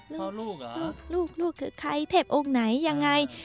ลูกลูกลูกลูกก็ใครเทปโอ้งไหนยังไง